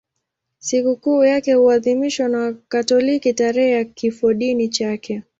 Sikukuu yake huadhimishwa na Wakatoliki tarehe ya kifodini chake.